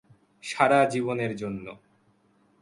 সারা জীবনের জন্য।